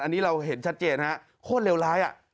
อันนี้เราเห็นชัดเจนฮะโคตรเลวร้าย